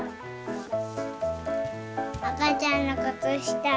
あかちゃんのくつした。